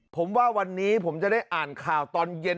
ผมว่าวันนี้ผมจะได้อ่านข่าวตอนเย็น